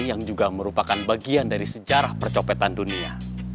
yang juga merupakan bagian dari sejarah percopetan dunia